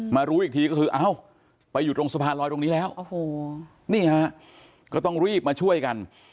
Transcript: รู้อีกทีก็คือเอ้าไปอยู่ตรงสะพานลอยตรงนี้แล้วโอ้โหนี่ฮะก็ต้องรีบมาช่วยกัน